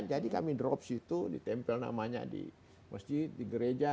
jadi kami drop situ ditempel namanya di masjid di gereja